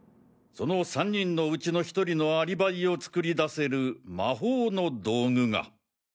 その３人のうちの１人のアリバイを作り出せる魔法の道具が。